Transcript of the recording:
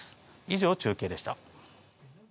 以上、中継でした。